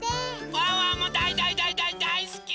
ワンワンもだいだいだいだいだいすき！